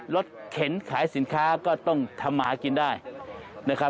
รถเข็นขายสินค้าก็ต้องทำมหากินได้